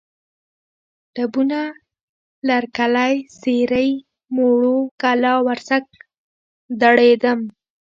ډبونه، لرکلی، سېرۍ، موړو کلا، ورسک، دړیدم